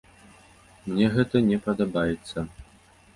Мне гэта не падабаецца.